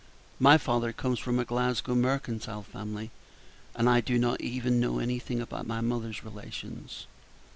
My father comes from a Glasgow mercantile family, and I do not even know anything about my mother's relations."